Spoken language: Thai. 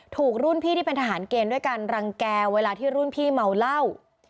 ถูกรุ่นพี่ที่เป็นทหารเกณฑ์ด้วยการรังแก่เวลาที่รุ่นพี่เมาเหล้า